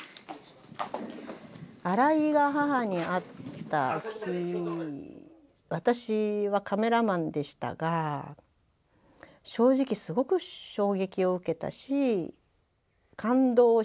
荒井が母に会った日私はカメラマンでしたが正直すごく衝撃を受けたし感動したんですよね。